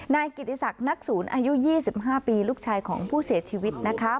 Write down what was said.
นายกิติศักดิ์นักศูนย์อายุ๒๕ปีลูกชายของผู้เสียชีวิตนะคะ